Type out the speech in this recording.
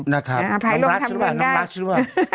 นะครับน้ำรัชด้วยน้ำรัชด้วย